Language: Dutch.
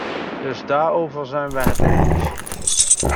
Dus daarover zijn wij het eens.